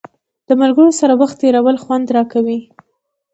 د ملګرو سره وخت تېرول خوند راکوي.